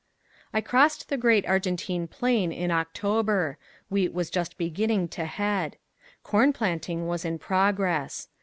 I crossed the great Argentine plain in October. Wheat was just beginning to head. Corn planting was in progress.